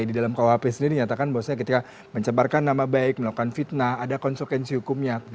di dalam kuhp sendiri dinyatakan bahwasanya ketika mencemarkan nama baik melakukan fitnah ada konsekuensi hukumnya